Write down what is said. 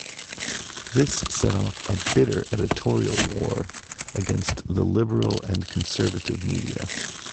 This set off a bitter editorial war against the Liberal and Conservative media.